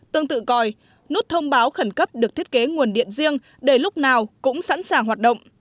tương tự còi nút thông báo khẩn cấp được thiết kế nguồn điện riêng để lúc nào cũng sẵn sàng hoạt động